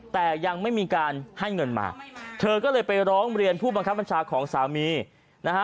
แต่ยังไม่มีการให้เงินมาเธอก็เลยไปร้องเรียนผู้บังคับบัญชาของสามีนะฮะ